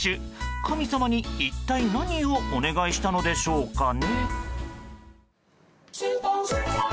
神様に一体何をお願いしたのでしょうかね。